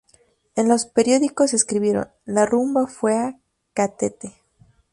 En los periódicos escribieron: "La rumba fue a Catete".